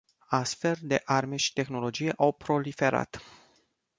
Astfel de arme și tehnologii au proliferat.